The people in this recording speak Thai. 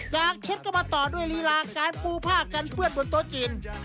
จากเช็ดกระป๋าต่อด้วยรีลาการปูผ้ากันเพื่อนบนโต๊ะจิน